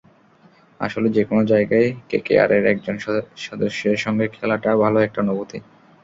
আসলে যেকোনো জায়গায় কেকেআরের একজন সদস্যের সঙ্গে খেলাটা ভালো একটা অনুভূতি।